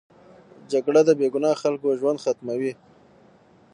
جګړه د بې ګناه خلکو ژوند ختموي